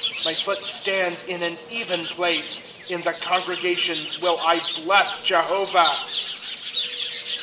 '^ My foot stands in an even place. In the congregations will I bless Jehovah.